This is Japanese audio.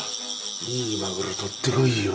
いいマグロ取ってこいよ。